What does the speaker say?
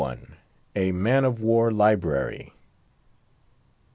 A MAN OF WAR LIBRARY.